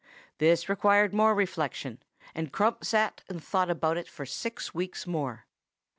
This required more reflection, and Crump sat and thought about it for six weeks more.